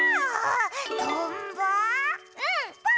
うん！